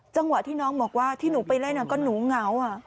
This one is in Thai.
จังหวะที่น้องบอกว่าที่หนูไปเล่นก็หนูเหงา